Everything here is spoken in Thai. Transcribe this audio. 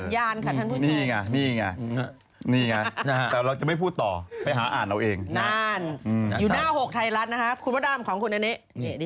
อยู่หน้าหกไทยรัสนะคะครับกูพี่อานิ